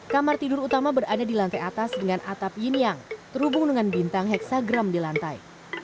kamar tidur utama berada di lantai atas dengan atap yin yang terhubung dengan bintang heksagram di lantai